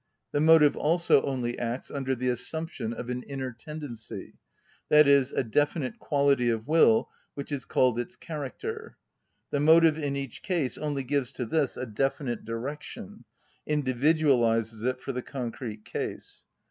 The motive also only acts under the assumption of an inner tendency, i.e., a definite quality of will which is called its character. The motive in each case only gives to this a definite direction—individualises it for the concrete case.